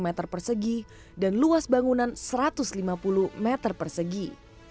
dua ratus empat puluh meter persegi dan luas bangunan satu ratus lima puluh meter persegi